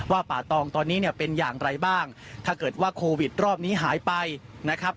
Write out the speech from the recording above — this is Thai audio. ป่าตองตอนนี้เนี่ยเป็นอย่างไรบ้างถ้าเกิดว่าโควิดรอบนี้หายไปนะครับ